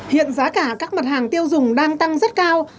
hiện giá cả các mặt hàng tiêu dùng đang tăng rất cao